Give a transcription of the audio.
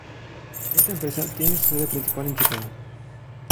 Esta empresa tiene su sede principal en Chicago.